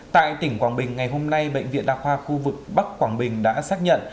tại tỉnh quảng bình ngày hôm nay bệnh viện đa khoa khu vực bắc quảng bình đã xác nhận